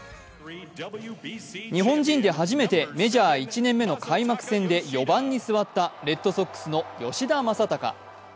日本人で初めてメジャー１年目の開幕戦で４番に座った、レッドソックスの吉田正尚。